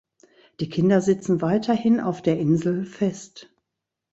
Die Kinder sitzen weiterhin auf der Insel fest.